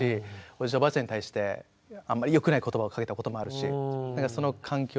おじいちゃんおばあちゃんに対してあんまりよくない言葉をかけたこともあるしその環境